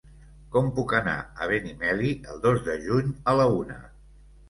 Com puc anar a Benimeli el dos de juny a la una?